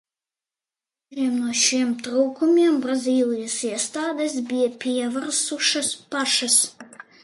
Dažiem no šiem trūkumiem Brazīlijas iestādes bija pievērsušās pašas.